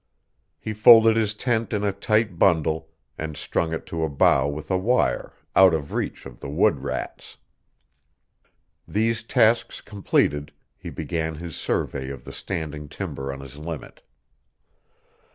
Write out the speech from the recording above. He folded his tent in a tight bundle and strung it to a bough with a wire, out of reach of the wood rats. These tasks completed, he began his survey of the standing timber on his limit.